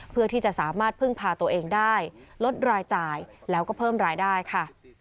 เพื่อที่จะสามารถพึ่งพาตัวเองได้ลดรายจ่ายแล้วก็เพิ่มรายได้ค่ะ